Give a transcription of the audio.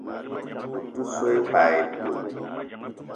Ou te so i pas ipee?